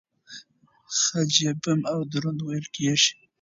خج يې بم او دروند وېل کېږي.